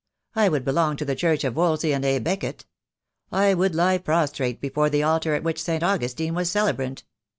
I would belong to the Church of Wolsey and A'Becket. I would lie prostrate before the altar at which St. Augustine was celebrant.